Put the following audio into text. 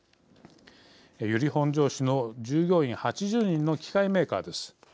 由利本荘市の従業員８０人の機械メーカーです。